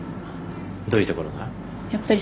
どういうところが？